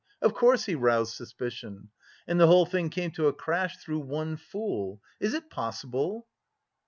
Of course he roused suspicion. And the whole thing came to a crash through one fool! Is it possible?"